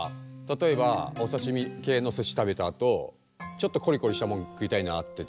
たとえばおさしみけいのすし食べたあとちょっとコリコリしたもん食いたいなってなって。